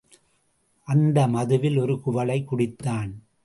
அந்த மதுவில் ஒரு குவளை குடித்தான்.